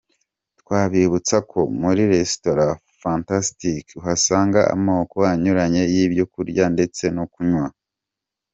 Twabibutsa ko muri Resitora Fantastic uhasanga amoko anyuranye y'ibyo kurya ndetse no kunywa.